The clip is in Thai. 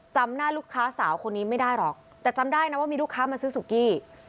จำหน้าลูกค้าสาวคนนี้ไม่ได้หรอกแต่จำได้นะว่ามีลูกค้ามาซื้อสุกี้